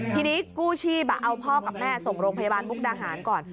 ทีนี้กู้ชีพเอาพ่อกับแม่ส่งโรงพยาบาลมุกดาหารก่อน